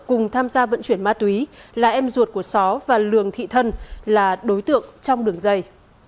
cùng tham gia vận chuyển ma túy là em ruột của só và lường thị thân là đối tượng trong đường dây